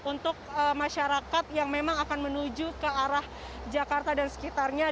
untuk masyarakat yang memang akan menuju ke arah jakarta dan sekitarnya